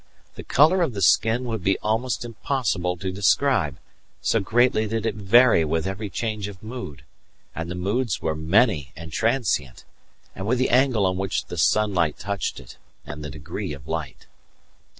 The colour of the skin would be almost impossible to describe, so greatly did it vary with every change of mood and the moods were many and transient and with the angle on which the sunlight touched it, and the degree of light.